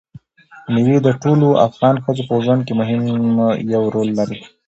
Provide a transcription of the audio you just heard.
مېوې د ټولو افغان ښځو په ژوند کې هم یو رول لري.